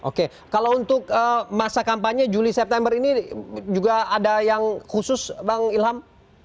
oke kalau untuk masa kampanye juli september ini juga ada yang khusus bang ilham